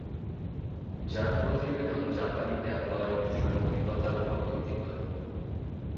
যার প্রতিবেদন জাপানি ট্যাবলয়েড সাংবাদিকতার উপর ভিত্তি করে।